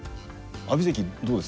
阿炎関どうです？